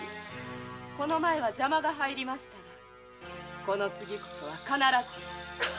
この前は邪魔が入りましたがこの次こそは必ず。